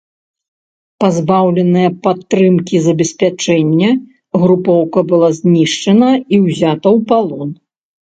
Пазбаўленая падтрымкі забеспячэння, групоўка была знішчана і ўзята ў палон.